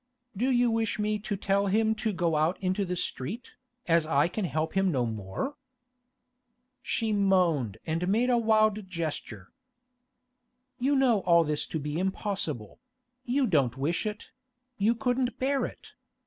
Do you wish me to tell him to go out into the street, as I can help him no more?' She moaned and made a wild gesture. 'You know all this to be impossible; you don't wish it; you couldn't bear it.